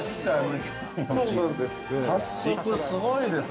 ◆早速すごいですね。